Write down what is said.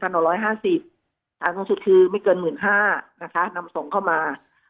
สารสูงสุดคือไม่เกิน๑๕๐๐นำส่งเข้ามา